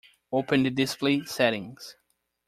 Open the display settings.